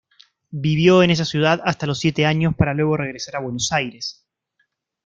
Vivió en esa ciudad hasta los siete años para luego regresar a Buenos Aires.